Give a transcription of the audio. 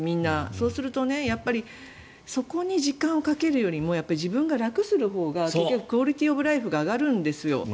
そうするとそこに時間をかけるよりも自分が楽するほうがクオリティー・オブ・ライフが上がるんですよ。